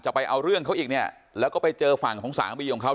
ไปเอาเรื่องเขาอีกเนี่ยแล้วก็ไปเจอฝั่งของสามีของเขา